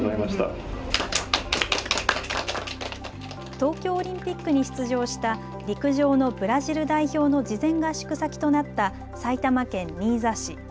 東京オリンピックに出場した陸上のブラジル代表の事前合宿先となった埼玉県新座市。